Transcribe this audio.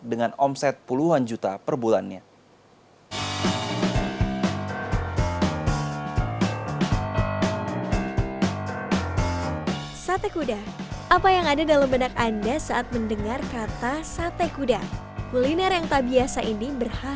dengan omset puluhan juta per bulannya